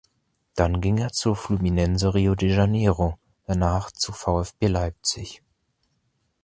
Dann ging er zu Fluminense Rio de Janeiro, danach zum VfB Leipzig.